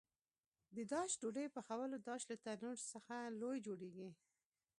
د داش ډوډۍ پخولو داش له تنور څخه لوی جوړېږي.